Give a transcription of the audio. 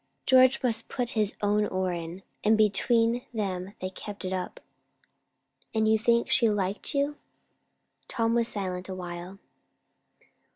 George must put his oar in; and between them they kept it up." "And you think she liked you?" Tom was silent a while.